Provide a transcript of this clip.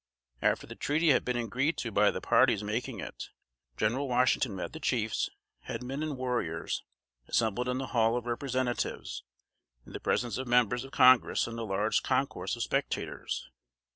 After the treaty had been agreed to by the parties making it, General Washington met the chiefs, headmen and warriors, assembled in the Hall of Representatives, in the presence of members of Congress and a large concourse of spectators.